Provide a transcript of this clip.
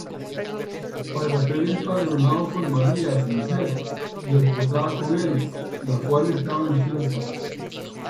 Para ser empadronado con María su mujer, desposada con él, la cual estaba encinta.